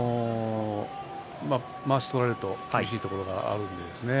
まわしを取られると厳しいところがあるんですね。